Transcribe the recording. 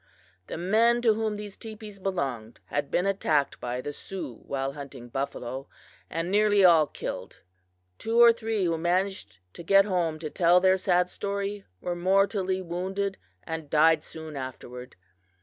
The men to whom these teepees belonged had been attacked by the Sioux while hunting buffalo, and nearly all killed. Two or three who managed to get home to tell their sad story were mortally wounded, and died soon afterward.